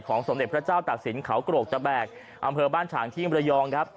สมเด็จพระเจ้าตากศิลปเขาโกรกตะแบกอำเภอบ้านฉางที่มรยองครับ